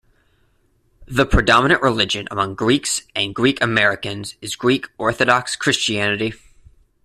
The predominant religion among Greeks and Greek Americans is Greek Orthodox Christianity.